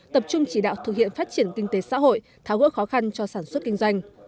tập trung chỉ đạo thực hiện phát triển kinh tế xã hội tháo gỡ khó khăn cho sản xuất kinh doanh